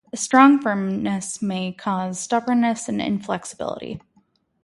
A strong Firmness may cause stubbornness and inflexibility.